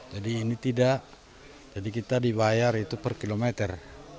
jadi ini tidak jadi kita dibayar itu per kilometer